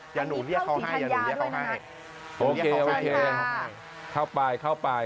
อย่าหนูเรียกเขาให้